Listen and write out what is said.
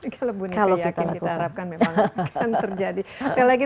kalau kita yakin kita harapkan memang akan terjadi